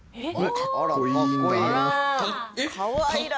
かっこいい！